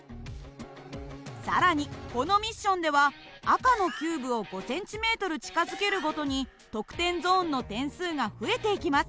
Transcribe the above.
更にこのミッションでは赤のキューブを５ｃｍ近づけるごとに得点ゾーンの点数が増えていきます。